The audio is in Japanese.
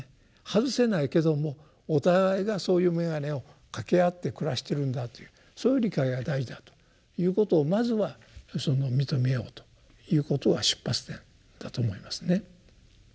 外せないけどもお互いがそういう眼鏡を掛け合って暮らしてるんだというそういう理解が大事だということをまずは認めようということが出発点だと思いますね。